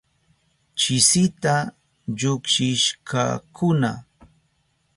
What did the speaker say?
Chisita llukshishkakuna.